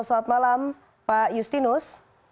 selamat malam pak justinus